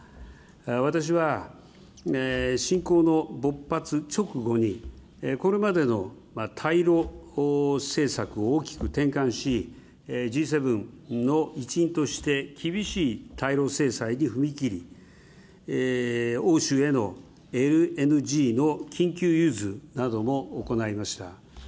私は侵攻の勃発直後に、これまでの対ロ政策を大きく転換し、Ｇ７の一員として厳しい対ロ制裁に踏み切り、欧州へのＬＮＧの緊急融通なども行いました。